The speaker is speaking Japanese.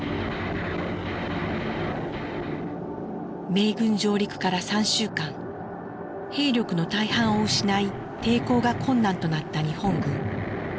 米軍上陸から３週間兵力の大半を失い抵抗が困難となった日本軍。